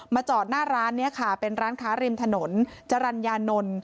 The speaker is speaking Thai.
จอดหน้าร้านนี้ค่ะเป็นร้านค้าริมถนนจรรยานนท์